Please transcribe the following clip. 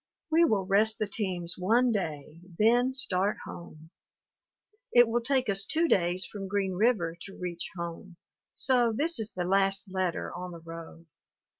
We will rest the teams one day, then start home. It will take us two days from Green River to reach home, so this is the last letter on the road.